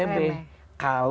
kalau dianggap remeh